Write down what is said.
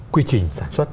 quy trình sản xuất